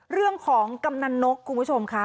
เรื่องของกำนันนกคุณผู้ชมคะ